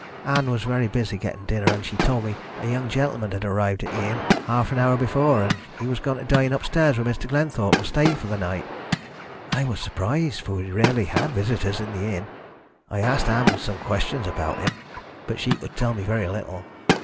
Ann was very busy getting dinner, and she told me a young gentleman had arrived at the inn half an hour before, and he was going to dine upstairs with Mr. Glenthorpe, and stay for the night. I was surprised, for we rarely had visitors at the inn. I asked Ann some questions about him, but she could tell me very little.